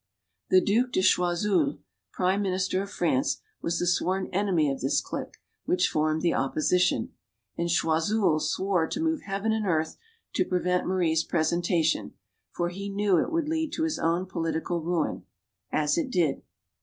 The Due de Choiseul, prime minister of France, was the sworn enemy of this clique, which formed the "op position." And Choiseul swore to move heaven and earth to prevent Marie's presentation, for he knew it would lead to his own political ruin; as it did.